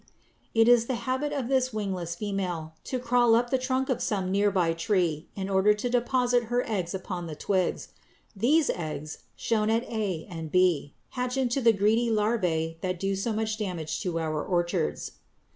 It is the habit of this wingless female to crawl up the trunk of some near by tree in order to deposit her eggs upon the twigs. These eggs (shown at a and b) hatch into the greedy larvæ that do so much damage to our orchards.